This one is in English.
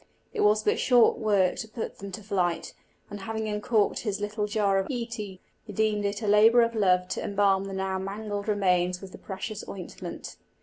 It was but short work to put them to flight; and having uncorked his little jar of íce, he deemed it a labour of love to embalm the now mangled remains with the precious ointment.